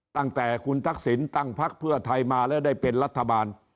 ตั้งแต่คุณทักษิณตั้งพักเพื่อไทยมาแล้วได้เป็นรัฐบาล